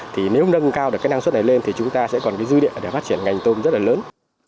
thì nếu nâng cao được cái năng suất này lên thì chúng ta sẽ còn cái dư địa để phát triển ngành tôm rất là lớn